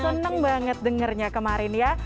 seneng banget dengernya kemarin ya